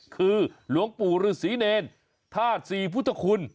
คือหลวงปู่ฤษีเนรธาตุศรีพุทธคุณ